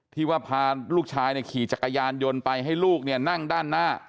ที่ว่าพาลูกชายขี่จักรยานยนต์ไปให้ลูกเนี่ยนั่งด้านหน้า